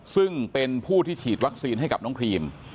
ซึ่งเป็นผู้ที่ฉีดวัคซีนให้กับน้องครีม